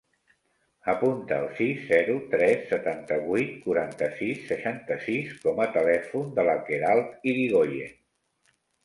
Apunta el sis, zero, tres, setanta-vuit, quaranta-sis, seixanta-sis com a telèfon de la Queralt Irigoyen.